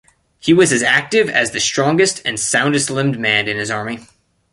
He was as active as the strongest and soundest-limbed man in his army.